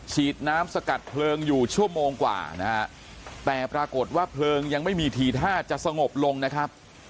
ฉีดน้ำสกัดเพลิงอยู่ชั่วโมงกว่านะฮะแต่ปรากฏว่าเพลิงยังไม่มีทีท่าจะสงบลงนะครับ